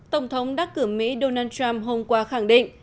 tổng thống đắc cử mỹ donald trump hôm qua khẳng định